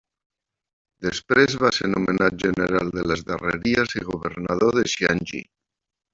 Després va ser nomenat General de les Darreries i Governador de Jiangxi.